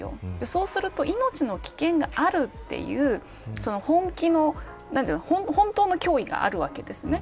そうすると命の危険があるという本当の脅威があるわけですね。